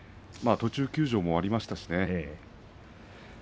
途中休場もありましたしね。